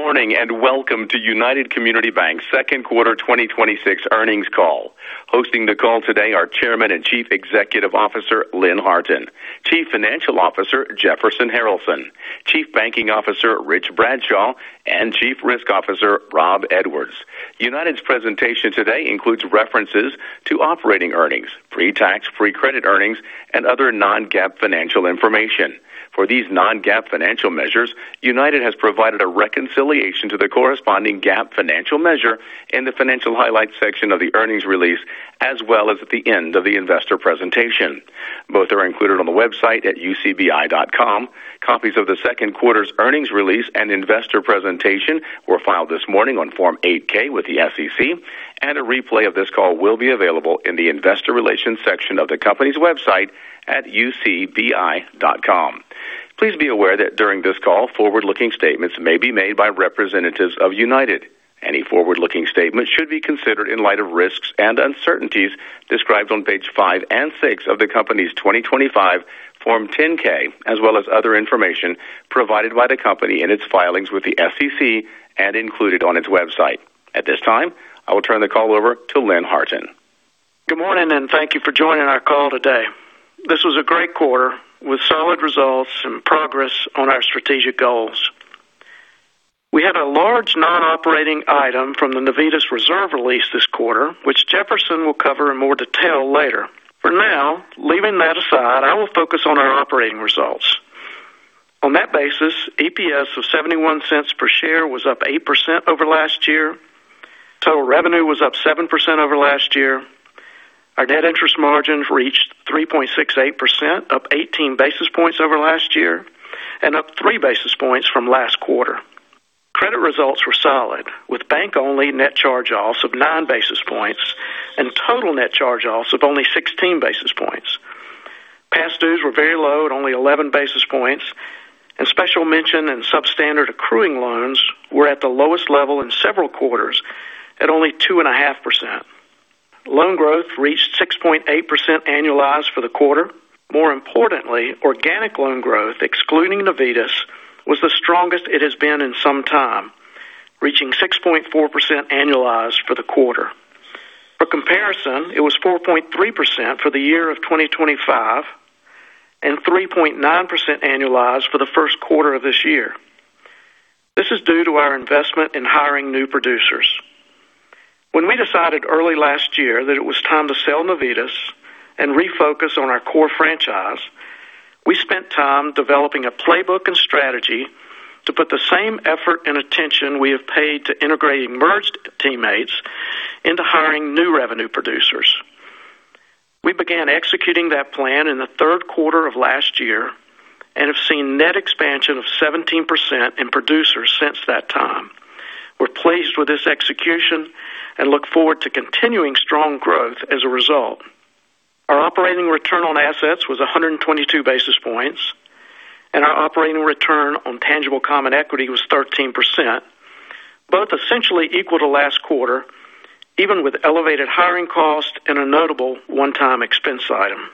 Good morning, welcome to United Community Banks' second quarter 2026 earnings call. Hosting the call today are Chairman and Chief Executive Officer, Lynn Harton; Chief Financial Officer, Jefferson Harralson; Chief Banking Officer, Rich Bradshaw; and Chief Risk Officer, Rob Edwards. United's presentation today includes references to operating earnings, pre-tax, pre-credit earnings, and other non-GAAP financial information. For these non-GAAP financial measures, United has provided a reconciliation to the corresponding GAAP financial measure in the financial highlights section of the earnings release, as well as at the end of the investor presentation. Both are included on the website at ucbi.com. Copies of the second quarter's earnings release and investor presentation were filed this morning on Form 8-K with the SEC, and a replay of this call will be available in the investor relations section of the company's website at ucbi.com. Please be aware that during this call, forward-looking statements may be made by representatives of United. Any forward-looking statements should be considered in light of risks and uncertainties described on page five and six of the company's 2025 Form 10-K, as well as other information provided by the company in its filings with the SEC and included on its website. At this time, I will turn the call over to Lynn Harton. Good morning, thank you for joining our call today. This was a great quarter with solid results and progress on our strategic goals. We had a large non-operating item from the Navitas reserve release this quarter, which Jefferson will cover in more detail later. For now, leaving that aside, I will focus on our operating results. On that basis, EPS of $0.71 per share was up 8% over last year. Total revenue was up 7% over last year. Our net interest margins reached 3.68%, up 18 basis points over last year, and up three basis points from last quarter. Credit results were solid with bank only net charge-offs of nine basis points and total net charge-offs of only 16 basis points. Past dues were very low at only 11 basis points, special mention and substandard accruing loans were at the lowest level in several quarters at only 2.5%. Loan growth reached 6.8% annualized for the quarter. More importantly, organic loan growth, excluding Navitas, was the strongest it has been in some time, reaching 6.4% annualized for the quarter. For comparison, it was 4.3% for the year of 2025 and 3.9% annualized for the first quarter of this year. This is due to our investment in hiring new producers. When we decided early last year that it was time to sell Navitas and refocus on our core franchise, we spent time developing a playbook and strategy to put the same effort and attention we have paid to integrating merged teammates into hiring new revenue producers. We began executing that plan in the third quarter of last year and have seen net expansion of 17% in producers since that time. We're pleased with this execution and look forward to continuing strong growth as a result. Our operating return on assets was 122 basis points, and our operating return on tangible common equity was 13%, both essentially equal to last quarter, even with elevated hiring costs and a notable one-time expense item.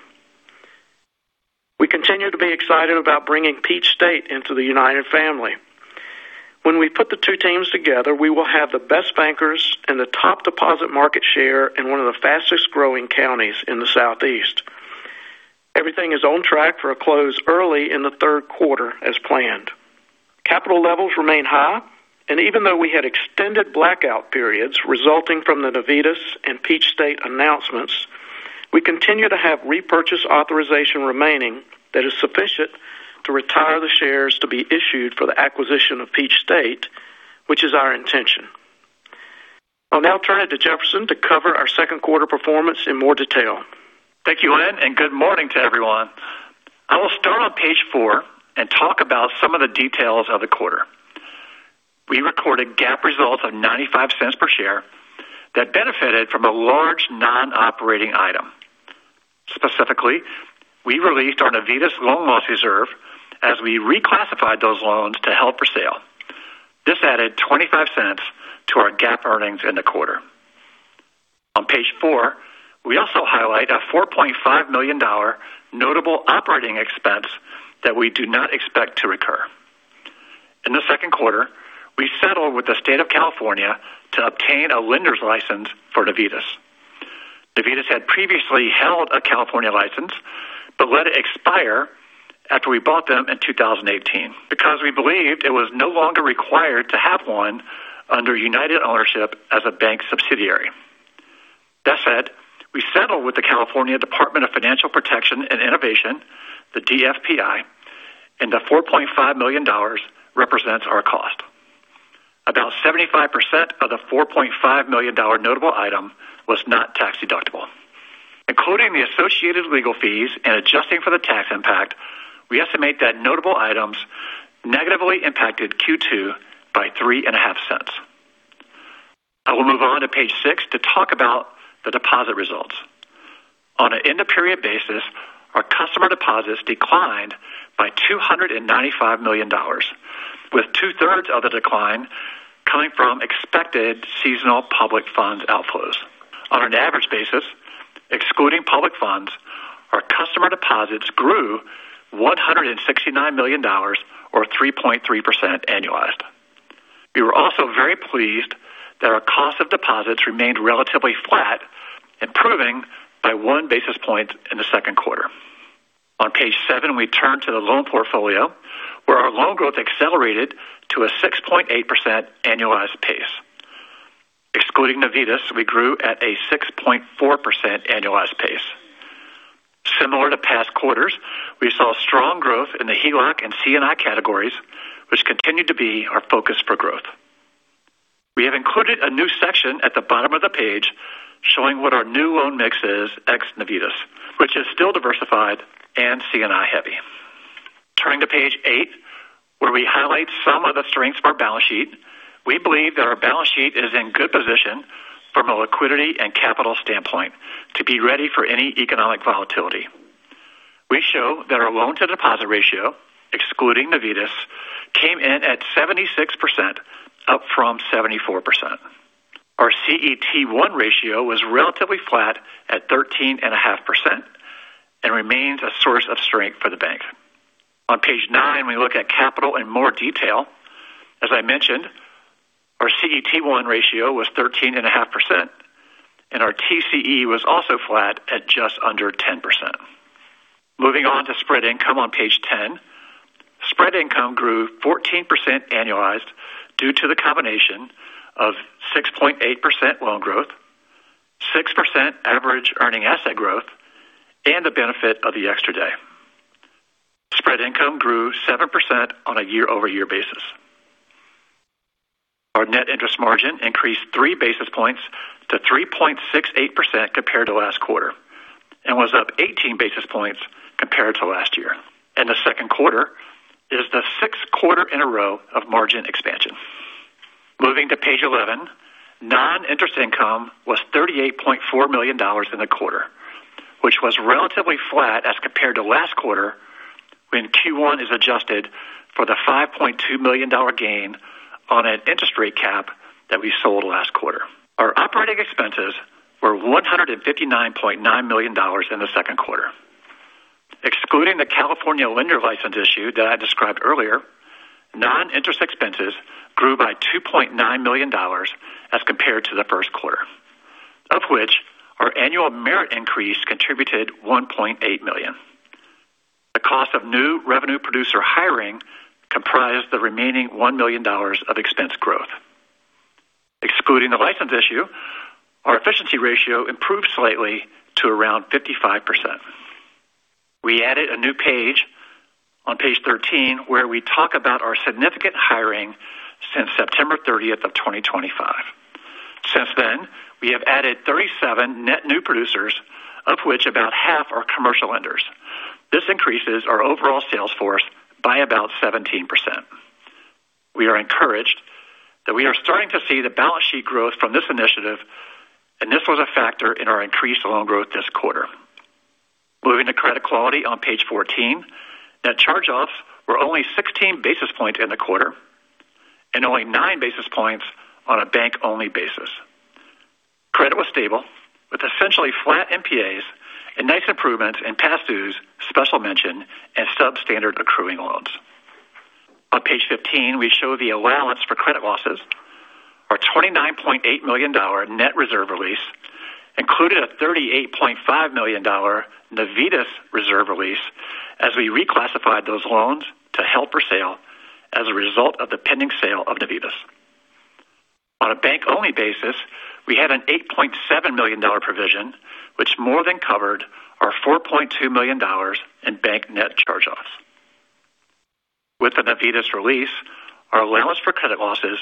We continue to be excited about bringing Peach State into the United family. When we put the two teams together, we will have the best bankers and the top deposit market share in one of the fastest-growing counties in the Southeast. Everything is on track for a close early in the third quarter as planned. Capital levels remain high. Even though we had extended blackout periods resulting from the Navitas and Peach State announcements, we continue to have repurchase authorization remaining that is sufficient to retire the shares to be issued for the acquisition of Peach State, which is our intention. I'll now turn it to Jefferson to cover our second quarter performance in more detail. Thank you, Lynn. Good morning to everyone. I will start on page four and talk about some of the details of the quarter. We recorded GAAP results of $0.95 per share that benefited from a large non-operating item. Specifically, we released our Navitas loan loss reserve as we reclassified those loans to held for sale. This added $0.25 to our GAAP earnings in the quarter. On page four, we also highlight a $4.5 million notable operating expense that we do not expect to recur. In the second quarter, we settled with the state of California to obtain a lender's license for Navitas. Navitas had previously held a California license, but let it expire after we bought them in 2018 because we believed it was no longer required to have one under United ownership as a bank subsidiary. That said, we settled with the California Department of Financial Protection and Innovation, the DFPI. The $4.5 million represents our cost. About 75% of the $4.5 million notable item was not tax-deductible. Including the associated legal fees and adjusting for the tax impact, we estimate that notable items negatively impacted Q2 by $0.035. I will move on to page six to talk about the deposit results. On an end-of-period basis, our customer deposits declined by $295 million, with two-thirds of the decline coming from expected seasonal public funds outflows. On an average basis, excluding public funds, our Customer deposits grew $169 million or 3.3% annualized. We were also very pleased that our cost of deposits remained relatively flat, improving by one basis point in the second quarter. On page seven, we turn to the loan portfolio where our loan growth accelerated to a 6.8% annualized pace. Excluding Navitas, we grew at a 6.4% annualized pace. Similar to past quarters, we saw strong growth in the HELOC and C&I categories, which continue to be our focus for growth. We have included a new section at the bottom of the page showing what our new loan mix is ex-Navitas, which is still diversified and C&I heavy. Turning to page eight, where we highlight some of the strengths of our balance sheet. We believe that our balance sheet is in good position from a liquidity and capital standpoint to be ready for any economic volatility. We show that our loan to deposit ratio, excluding Navitas, came in at 76%, up from 74%. Our CET1 ratio was relatively flat at 13.5%, and remains a source of strength for the bank. On page nine, we look at capital in more detail. As I mentioned, our CET1 ratio was 13.5%, and our TCE was also flat at just under 10%. Moving on to spread income on page 10. Spread income grew 14% annualized due to the combination of 6.8% loan growth, 6% average earning asset growth, and the benefit of the extra day. Spread income grew 7% on a year-over-year basis. Our net interest margin increased three basis points to 3.68% compared to last quarter, and was up 18 basis points compared to last year. The second quarter is the sixth quarter in a row of margin expansion. Moving to page 11. Non-interest income was $38.4 million in the quarter, which was relatively flat as compared to last quarter when Q1 is adjusted for the $5.2 million gain on an interest rate cap that we sold last quarter. Our operating expenses were $159.9 million in the second quarter. Excluding the California lender license issue that I described earlier, non-interest expenses grew by $2.9 million as compared to the first quarter, of which our annual merit increase contributed $1.8 million. The cost of new revenue producer hiring comprised the remaining $1 million of expense growth. Excluding the license issue, our efficiency ratio improved slightly to around 55%. We added a new page on page 13, where we talk about our significant hiring since September 30th of 2025. Since then, we have added 37 net new producers, of which about half are commercial lenders. This increases our overall sales force by about 17%. We are encouraged that we are starting to see the balance sheet growth from this initiative, and this was a factor in our increased loan growth this quarter. Moving to credit quality on page 14. Net charge-offs were only 16 basis points in the quarter, and only nine basis points on a bank-only basis. Credit was stable with essentially flat NPAs and nice improvements in past dues, special mention, and substandard accruing loans. On page 15, we show the allowance for credit losses. Our $29.8 million net reserve release included a $38.5 million Navitas reserve release as we reclassified those loans to held for sale as a result of the pending sale of Navitas. On a bank-only basis, we had an $8.7 million provision, which more than covered our $4.2 million in bank net charge-offs. With the Navitas release, our allowance for credit losses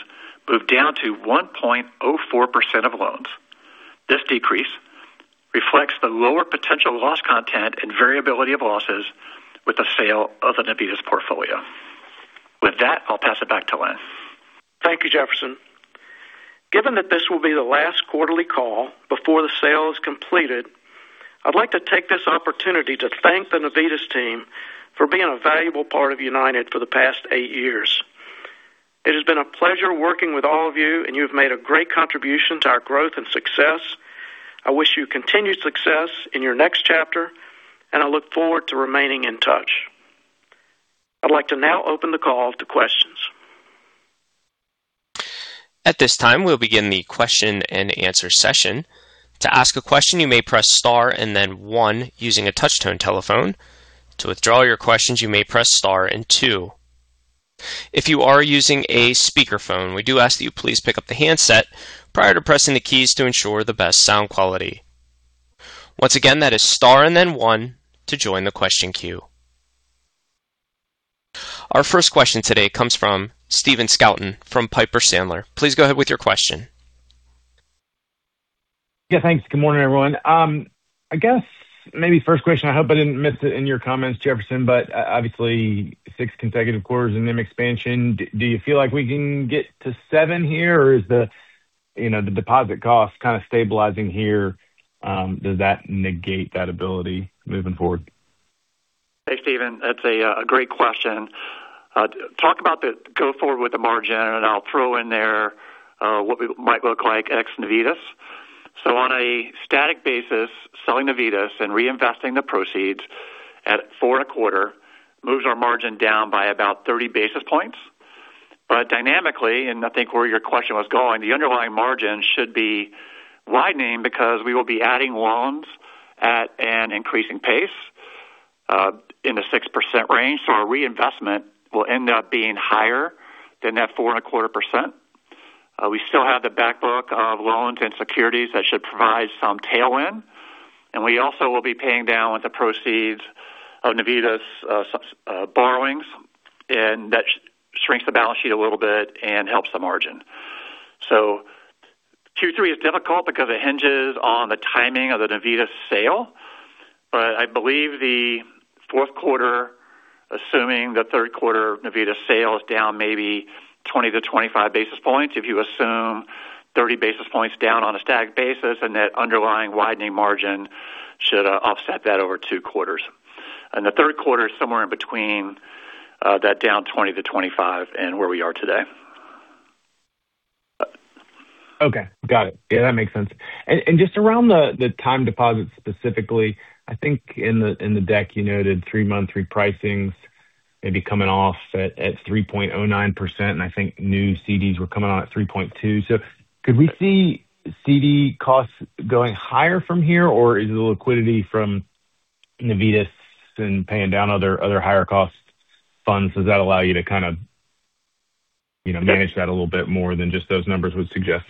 moved down to 1.04% of loans. This decrease reflects the lower potential loss content and variability of losses with the sale of the Navitas portfolio. With that, I'll pass it back to Lynn. Thank you, Jefferson. Given that this will be the last quarterly call before the sale is completed, I'd like to take this opportunity to thank the Navitas team for being a valuable part of United for the past eight years. It has been a pleasure working with all of you and you have made a great contribution to our growth and success. I wish you continued success in your next chapter, and I look forward to remaining in touch. I'd like to now open the call to questions. At this time, we'll begin the question and answer session. To ask a question, you may press star and then one using a touch-tone telephone. To withdraw your questions, you may press star and two. If you are using a speakerphone, we do ask that you please pick up the handset prior to pressing the keys to ensure the best sound quality. Once again, that is star and then one to join the question queue. Our first question today comes from Stephen Scouten from Piper Sandler. Please go ahead with your question. Yeah, thanks. Good morning, everyone. I guess maybe first question, I hope I didn't miss it in your comments, Jefferson, but obviously six consecutive quarters of NIM expansion. Do you feel like we can get to seven here or is the deposit cost kind of stabilizing here? Does that negate that ability moving forward? Hey, Stephen. That's a great question. Talk about the go forward with the margin, and I'll throw in there what we might look like ex-Navitas. On a static basis, selling Navitas and reinvesting the proceeds at four and a quarter moves our margin down by about 30 basis points. Dynamically, and I think where your question was going, the underlying margin should be widening because we will be adding loans at an increasing pace in the 6% range. Our reinvestment will end up being higher than that four and a quarter percent. We still have the back book of loans and securities that should provide some tailwind. We also will be paying down with the proceeds of Navitas borrowings, and that shrinks the balance sheet a little bit and helps the margin. Q3 is difficult because it hinges on the timing of the Navitas sale. I believe the fourth quarter, assuming the third quarter Navitas sale is down maybe 20-25 basis points, if you assume 30 basis points down on a stacked basis, and that underlying widening margin should offset that over two quarters. The third quarter is somewhere in between that down 20-25 and where we are today. Okay, got it. Yeah, that makes sense. Just around the time deposits specifically, I think in the deck you noted three-month repricings maybe coming off at 3.09%. I think new CDs were coming on at 3.2%. Could we see CD costs going higher from here, or is the liquidity from Navitas and paying down other higher cost funds, does that allow you to kind of manage that a little bit more than just those numbers would suggest?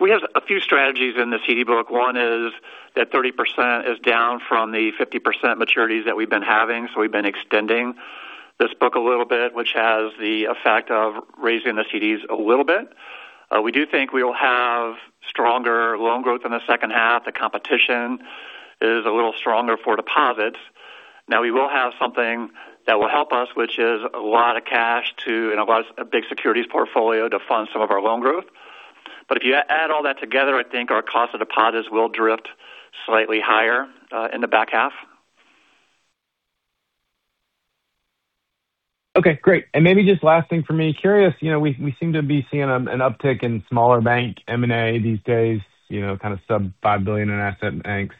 We have a few strategies in the CD book. One is that 30% is down from the 50% maturities that we've been having. We've been extending this book a little bit, which has the effect of raising the CDs a little bit. We do think we will have stronger loan growth in the second half. The competition is a little stronger for deposits. We will have something that will help us, which is a lot of cash, and a big securities portfolio to fund some of our loan growth. If you add all that together, I think our cost of deposits will drift slightly higher in the back half. Okay, great. Maybe just last thing for me. Curious, we seem to be seeing an uptick in smaller bank M&A these days, kind of sub $5 billion in asset banks.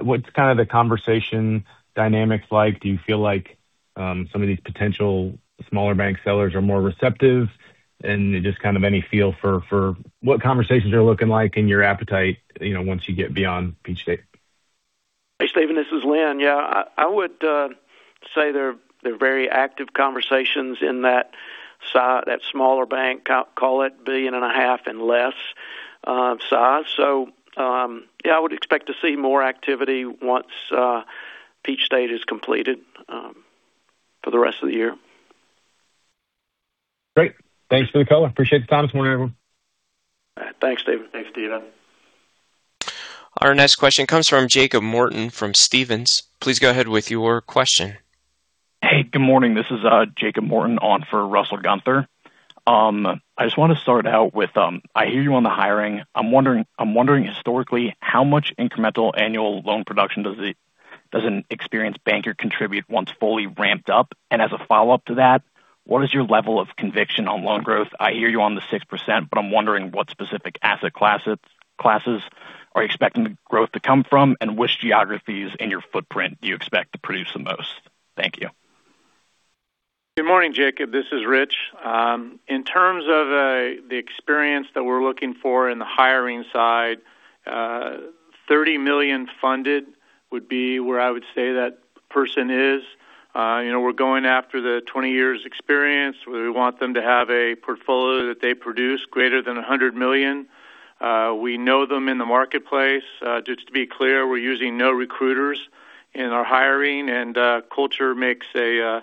What's kind of the conversation dynamics like? Do you feel like some of these potential smaller bank sellers are more receptive? Just kind of any feel for what conversations are looking like and your appetite once you get beyond Peach State. Hey, Stephen, this is Lynn. I would say they're very active conversations in that smaller bank, call it billion and a half and less size. I would expect to see more activity once Peach State is completed for the rest of the year. Great. Thanks for the call. Appreciate the time this morning, everyone. Thanks, Stephen. Thanks, Stephen. Our next question comes from Jacob Morton from Stephens. Please go ahead with your question. Good morning. This is Jake Morton on for Russell Gunther. I just want to start out with, I hear you on the hiring. I'm wondering historically, how much incremental annual loan production does an experienced banker contribute once fully ramped up? As a follow-up to that, what is your level of conviction on loan growth? I hear you on the 6%, I'm wondering what specific asset classes are you expecting the growth to come from, and which geographies in your footprint do you expect to produce the most? Thank you. Good morning, Jacob. This is Rich. In terms of the experience that we're looking for in the hiring side, $30 million funded would be where I would say that person is. We're going after the 20 years experience. We want them to have a portfolio that they produce greater than $100 million. We know them in the marketplace. Just to be clear, we're using no recruiters in our hiring, culture makes a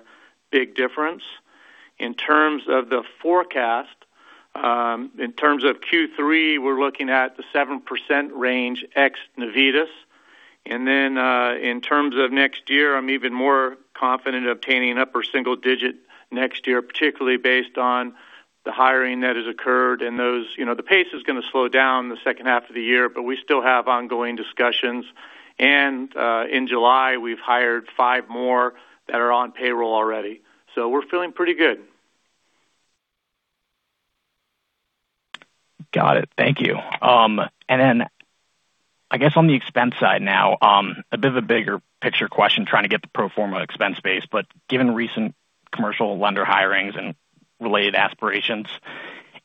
big difference. In terms of the forecast, in terms of Q3, we're looking at the 7% range ex-Navitas. In terms of next year, I'm even more confident obtaining an upper single digit next year, particularly based on the hiring that has occurred and the pace is going to slow down in the second half of the year, we still have ongoing discussions. In July, we've hired five more that are on payroll already. We're feeling pretty good. Got it. Thank you. I guess on the expense side now, a bit of a bigger picture question, trying to get the pro forma expense base. Given recent commercial lender hirings and related aspirations,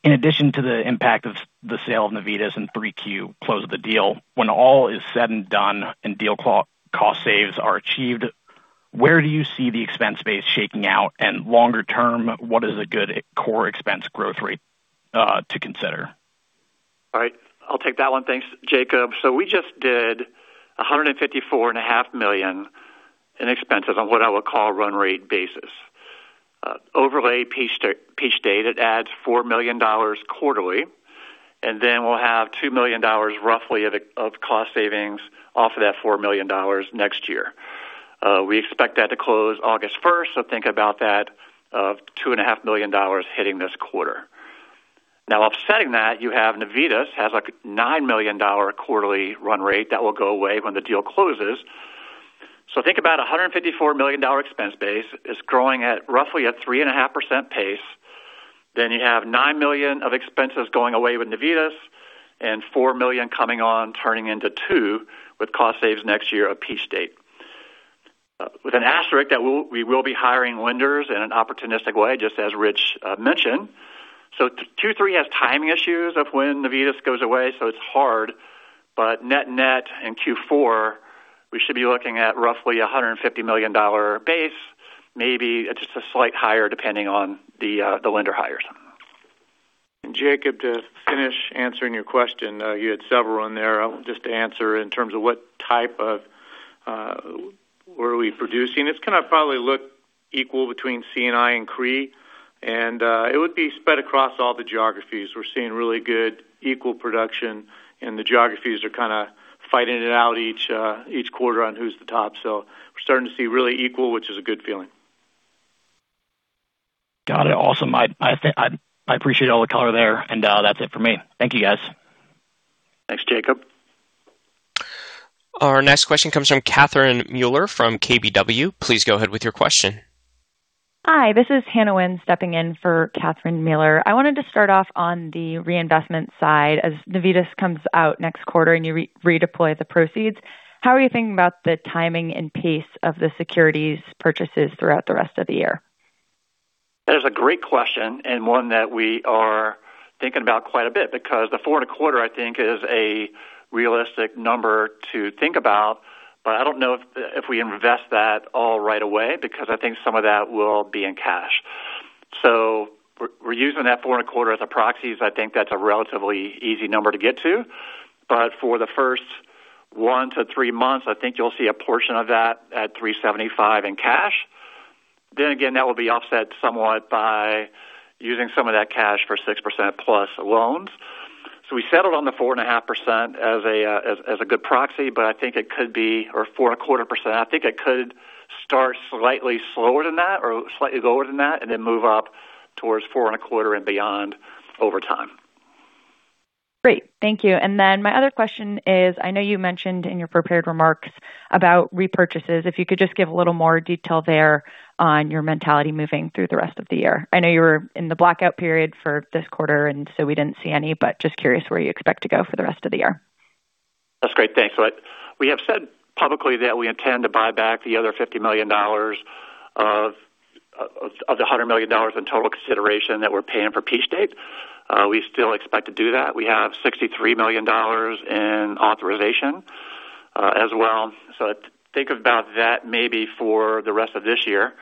in addition to the impact of the sale of Navitas in 3Q close of the deal, when all is said and done and deal cost saves are achieved, where do you see the expense base shaking out? Longer term, what is a good core expense growth rate to consider? All right. I'll take that one. Thanks, Jacob. We just did $154.5 million in expenses on what I would call run rate basis. Overlay Peach State, it adds $4 million quarterly, and then we'll have $2 million roughly of cost savings off of that $4 million next year. We expect that to close August 1st, so think about that $2.5 million hitting this quarter. Offsetting that, you have Navitas has a $9 million quarterly run rate that will go away when the deal closes. Think about $154 million expense base is growing at roughly a 3.5% pace. You have $9 million of expenses going away with Navitas and $4 million coming on, turning into two with cost saves next year of Peach State. With an asterisk that we will be hiring lenders in an opportunistic way, just as Rich mentioned. Q3 has timing issues of when Navitas goes away, so it's hard. Net-net in Q4, we should be looking at roughly $150 million base, maybe just a slight higher depending on the lender hires. Jacob, to finish answering your question, you had several on there. Just to answer in terms of what type of, where are we producing? It's kind of probably look equal between C&I and CRE, and it would be spread across all the geographies. We're seeing really good equal production and the geographies are kind of fighting it out each quarter on who's the top. We're starting to see really equal, which is a good feeling. Got it. Awesome. I appreciate all the color there, that's it for me. Thank you, guys. Thanks, Jacob. Our next question comes from Catherine Mealor from KBW. Please go ahead with your question. Hi, this is Hannah Wynn stepping in for Catherine Mealor. I wanted to start off on the reinvestment side. As Navitas comes out next quarter and you redeploy the proceeds, how are you thinking about the timing and pace of the securities purchases throughout the rest of the year? That is a great question, one that we are thinking about quite a bit, because the four and a quarter, I think is a realistic number to think about. I don't know if we invest that all right away because I think some of that will be in cash. We're using that four and a quarter as a proxy, I think that's a relatively easy number to get to. For the first one to three months, I think you'll see a portion of that at $375 in cash. Again, that will be offset somewhat by using some of that cash for 6%+ loans. We settled on the 4.5% as a good proxy, but I think it could be 4.25%. I think it could start slightly slower than that or slightly lower than that, and then move up towards four and a quarter and beyond over time. Great. Thank you. My other question is, I know you mentioned in your prepared remarks about repurchases, if you could just give a little more detail there on your mentality moving through the rest of the year. I know you were in the blackout period for this quarter, and so we didn't see any, but just curious where you expect to go for the rest of the year. That's great. Thanks. We have said publicly that we intend to buy back the other $50 million of the $100 million in total consideration that we're paying for Peach State. We still expect to do that. We have $63 million in authorization as well. Think about that maybe for the rest of this year.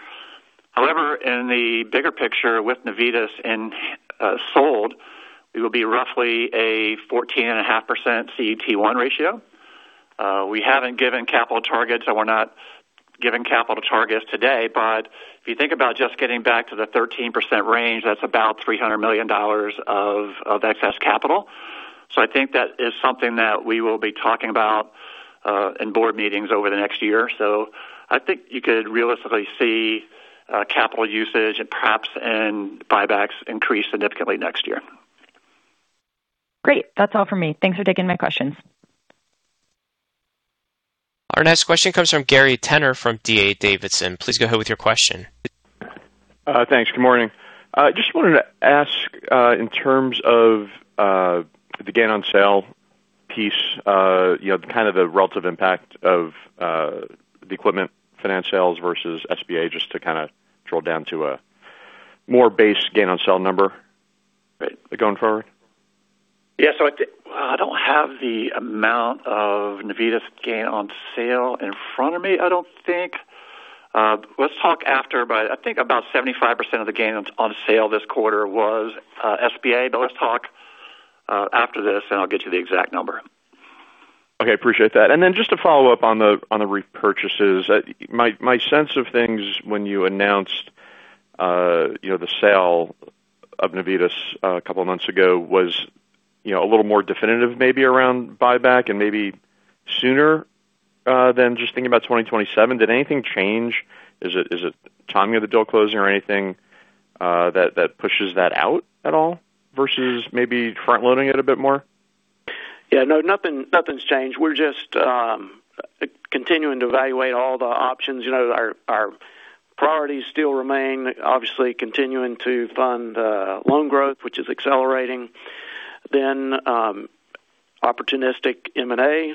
However, in the bigger picture with Navitas sold, it will be roughly a 14.5% CET1 ratio. We haven't given capital targets, so we're not giving capital targets today. If you think about just getting back to the 13% range, that's about $300 million of excess capital. I think that is something that we will be talking about in board meetings over the next year. I think you could realistically see capital usage and perhaps in buybacks increase significantly next year. Great. That's all for me. Thanks for taking my questions. Our next question comes from Gary Tenner from D.A. Davidson. Please go ahead with your question. Thanks. Good morning. Just wanted to ask in terms of the gain on sale piece, kind of the relative impact of the equipment finance sales versus SBA, just to kind of drill down to a more base gain on sale number going forward. Yeah. I don't have the amount of Navitas gain on sale in front of me, I don't think. Let's talk after, but I think about 75% of the gain on sale this quarter was SBA. Let's talk after this, and I'll get you the exact number. Okay, appreciate that. Just to follow up on the repurchases. My sense of things when you announced the sale of Navitas a couple of months ago was a little more definitive, maybe around buyback and maybe sooner than just thinking about 2027. Did anything change? Is it timing of the deal closing or anything that pushes that out at all versus maybe front-loading it a bit more? Yeah. No, nothing's changed. We're just continuing to evaluate all the options. Our priorities still remain, obviously continuing to fund loan growth, which is accelerating. Opportunistic M&A.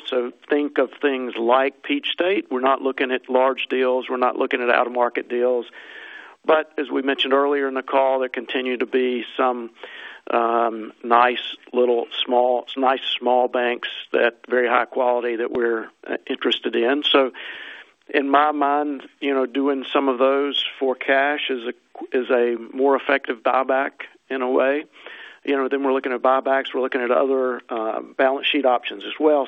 Think of things like Peach State. We're not looking at large deals. We're not looking at out-of-market deals. As we mentioned earlier in the call, there continue to be some nice small banks that very high quality that we're interested in. In my mind, doing some of those for cash is a more effective buyback in a way. We're looking at buybacks, we're looking at other balance sheet options as well.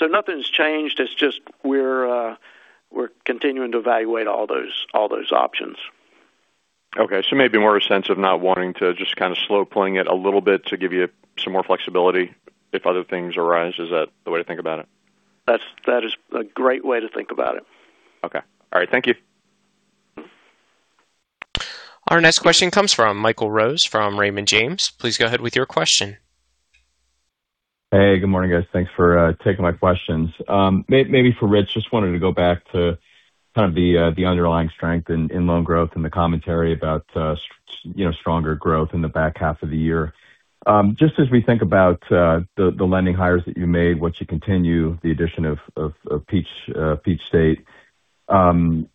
Nothing's changed. It's just we're continuing to evaluate all those options. Okay, maybe more a sense of not wanting to just kind of slow playing it a little bit to give you some more flexibility if other things arise. Is that the way to think about it? That is a great way to think about it. Okay. All right. Thank you. Our next question comes from Michael Rose from Raymond James. Please go ahead with your question. Hey, good morning, guys. Thanks for taking my questions. Maybe for Rich, just wanted to go back to kind of the underlying strength in loan growth and the commentary about stronger growth in the back half of the year. Just as we think about the lending hires that you made, once you continue the addition of Peach State, and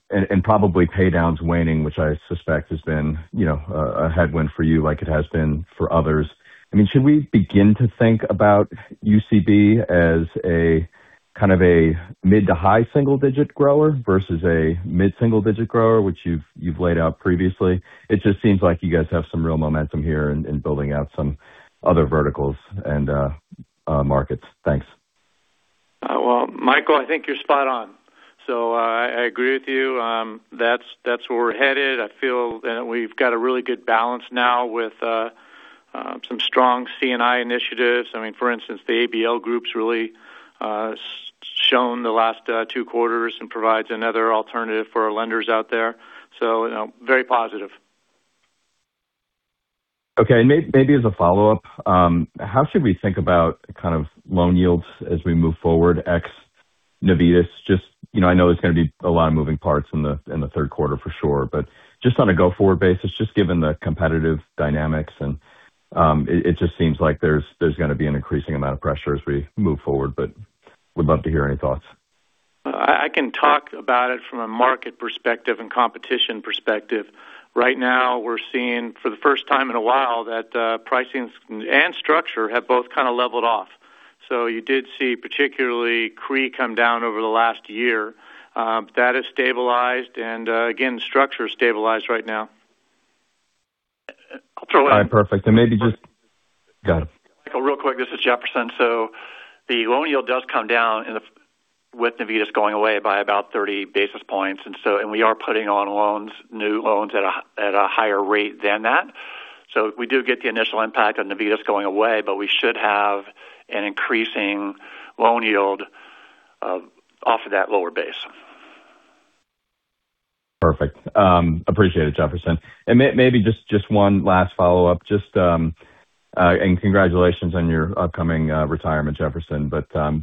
probably pay-downs waning, which I suspect has been a headwind for you like it has been for others. Should we begin to think about UCB as a mid to high single digit grower versus a mid single digit grower, which you've laid out previously? It just seems like you guys have some real momentum here in building out some other verticals and markets. Thanks. Well, Michael, I think you're spot on. I agree with you. That's where we're headed. I feel that we've got a really good balance now with some strong C&I initiatives. For instance, the ABL group's really shown the last two quarters and provides another alternative for our lenders out there. Very positive. Okay. Maybe as a follow-up. How should we think about kind of loan yields as we move forward ex Navitas? I know there's going to be a lot of moving parts in the third quarter for sure, just on a go-forward basis, just given the competitive dynamics and it just seems like there's going to be an increasing amount of pressure as we move forward, would love to hear any thoughts. I can talk about it from a market perspective and competition perspective. Right now, we are seeing, for the first time in a while, that pricing and structure have both kind of leveled off. You did see particularly CRE come down over the last year. That has stabilized, and again, the structure is stabilized right now. All right. Perfect. Go ahead. Michael, real quick, this is Jefferson. The loan yield does come down with Navitas going away by about 30 basis points. We are putting on new loans at a higher rate than that. We do get the initial impact of Navitas going away, but we should have an increasing loan yield off of that lower base. Perfect. Appreciate it, Jefferson. Maybe just one last follow-up. Congratulations on your upcoming retirement, Jefferson.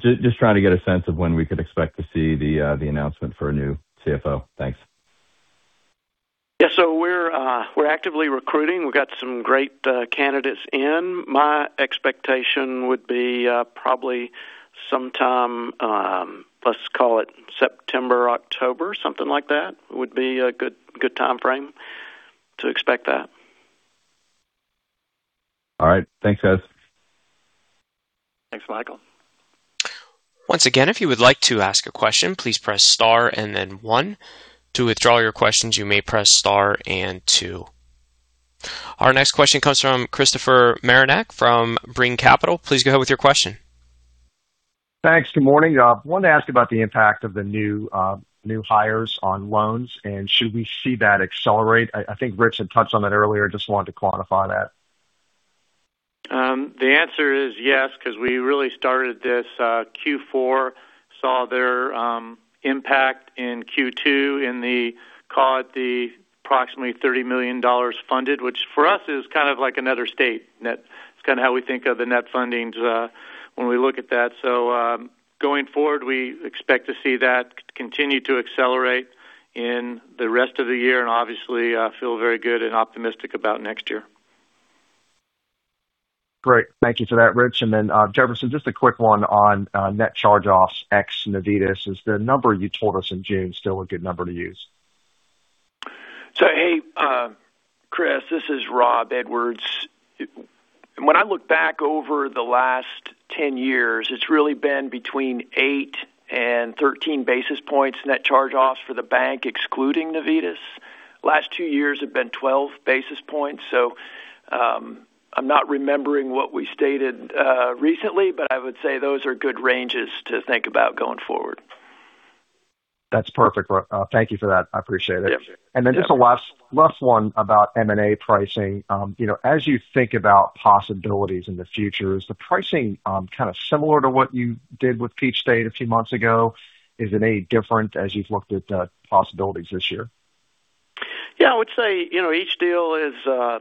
Just trying to get a sense of when we could expect to see the announcement for a new CFO. Thanks. Yeah. We're actively recruiting. We've got some great candidates in. My expectation would be probably sometime, let's call it September, October, something like that would be a good timeframe to expect that. All right. Thanks, guys. Thanks, Michael. Once again, if you would like to ask a question, please press star and then one. To withdraw your questions, you may press star and two. Our next question comes from Christopher Marinac from Brean Capital. Please go ahead with your question. Thanks. Good morning. I wanted to ask about the impact of the new hires on loans. Should we see that accelerate? I think Rich had touched on that earlier. I just wanted to quantify that. The answer is yes, because we really started this Q4, saw their impact in Q2 in the, call it the approximately $30 million funded, which for us is kind of like another state net. It's kind of how we think of the net fundings when we look at that. Going forward, we expect to see that continue to accelerate in the rest of the year and obviously feel very good and optimistic about next year. Great. Thank you for that, Rich. Jefferson, just a quick one on net charge-offs ex-Navitas. Is the number you told us in June still a good number to use? Hey, Chris, this is Rob Edwards. When I look back over the last 10 years, it's really been between eight and 13 basis points net charge-offs for the bank, excluding Navitas. Last two years have been 12 basis points. I'm not remembering what we stated recently, but I would say those are good ranges to think about going forward. That's perfect, Rob. Thank you for that. I appreciate it. Yep. Then just a last one about M&A pricing. As you think about possibilities in the future, is the pricing kind of similar to what you did with Peach State a few months ago? Is it any different as you've looked at the possibilities this year? Yeah, I would say each deal is a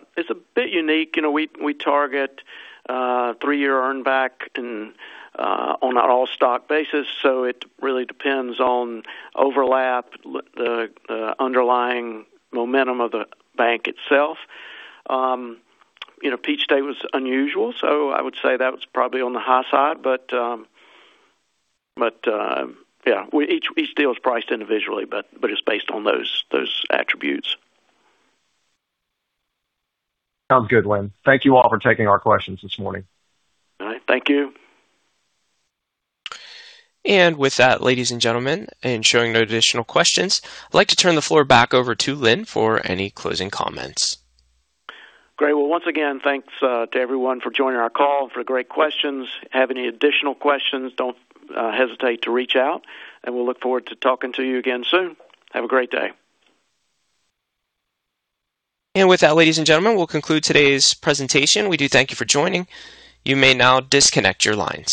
bit unique. We target three-year earn back on an all-stock basis, so it really depends on overlap, the underlying momentum of the bank itself. Peach State was unusual, so I would say that was probably on the high side. Each deal is priced individually, but it's based on those attributes. Sounds good, Lynn. Thank you all for taking our questions this morning. All right. Thank you. With that, ladies and gentlemen, and showing no additional questions, I'd like to turn the floor back over to Lynn for any closing comments. Great. Well, once again, thanks to everyone for joining our call and for the great questions. Have any additional questions, don't hesitate to reach out, and we'll look forward to talking to you again soon. Have a great day. With that, ladies and gentlemen, we'll conclude today's presentation. We do thank you for joining. You may now disconnect your line.